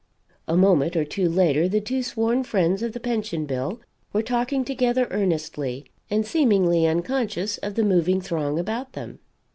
A moment or two later the two sworn friends of the Pension bill were talking together, earnestly, and seemingly unconscious of the moving throng about them.